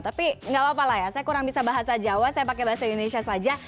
tapi nggak apa apa lah ya saya kurang bisa bahasa jawa saya pakai bahasa indonesia saja